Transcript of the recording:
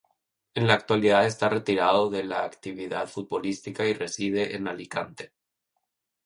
En la actualidad está retirado de la actividad futbolística y reside en Alicante.